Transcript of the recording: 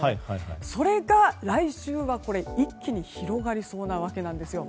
それが来週は、一気に広がりそうなわけなんです。